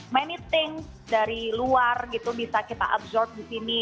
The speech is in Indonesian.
banyak hal dari luar gitu bisa kita mengakses di sini